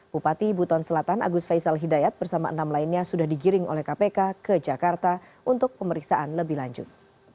bupati buton selatan agus faisal hidayat bersama enam lainnya sudah digiring oleh kpk ke jakarta untuk pemeriksaan lebih lanjut